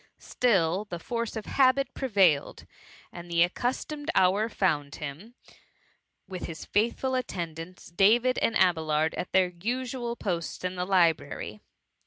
Still the force of habit prevailed, and the accustomed hour found him with his faithful attendants, Davis and Abelard, at their usual posts in the library.